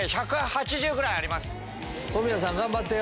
小宮さん頑張ってよ。